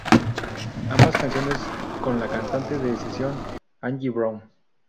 Ambas canciones con la cantante de sesión "Angie Brown".